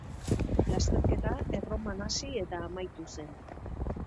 Lasterketa Erroman hasi eta amaitu zen.